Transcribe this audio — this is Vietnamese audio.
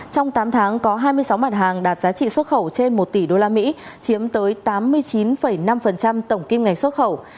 trong tám tháng có hai mươi sáu mặt hàng đạt giá trị xuất khẩu trên một tỷ đô la mỹ chiếm tới tám mươi chín năm tổng kim ngành xuất khẩu